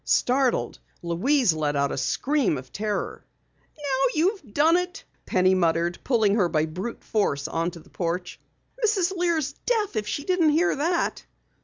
Startled, Louise let out a scream of terror. "Now you've done it!" Penny muttered, pulling her by brute force onto the porch. "Mrs. Lear's deaf if she didn't hear that!"